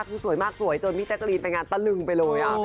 ดูสวยมากสวยจนพี่แจ๊กตะลึงไปเลย